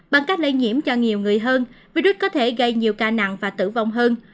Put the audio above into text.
bằng cách lây nhiễm cho nhiều người hơn virus có thể gây nhiều ca nặng và tử vong hơn